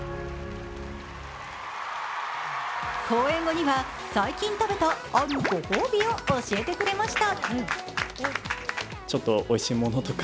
公演後には、最近食べたあるご褒美を教えてくれました。